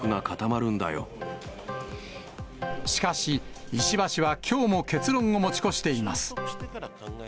しかし、石破氏はきょうも結論を持ち越しています。